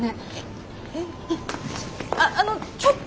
あっあのちょっと。